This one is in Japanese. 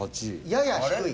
やや低い。